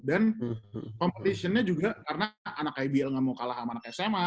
dan competition nya juga karena anak ibl gak mau kalah sama anak sma